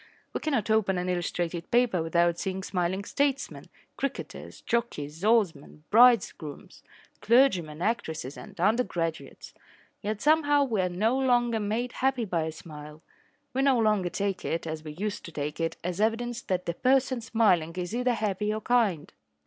We cannot open an illustrated paper without seeing smiling statesmen, cricketers, jockeys, oarsmen, bridegrooms, clergymen, actresses and undergraduates. Yet somehow we are no longer made happy by a smile. We no longer take it, as we used to take it, as evidence that the person smiling is either happy or kind.